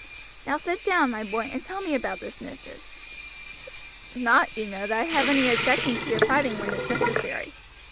Now sit down, my boy, and tell me about this business; not, you know, that I have any objection to your fighting when it's necessary.